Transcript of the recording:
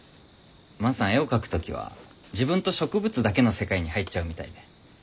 万さん絵を描く時は自分と植物だけの世界に入っちゃうみたいで。